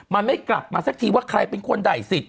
มันไม่กลับมาสักทีว่าใครเป็นคนใดสิทธิ